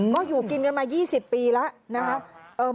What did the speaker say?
ก็อยู่กินกันมา๒๐ปีแล้วนะครับ